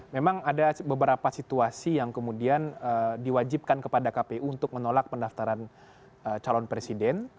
memang ada beberapa situasi yang kemudian diwajibkan kepada kpu untuk menolak pendaftaran calon presiden